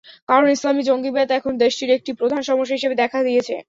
কারণ ইসলামি জঙ্গিবাদ এখন দেশটির একটি প্রধান সমস্যা হিসেবে দেখা দিয়েছে।